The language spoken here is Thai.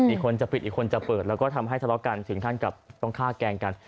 อีกคนจะปิดอีกคนจะเปิดแล้วก็ทำให้ทะเลาะกันถึงขั้นกับต้องฆ่าแกล้งกัน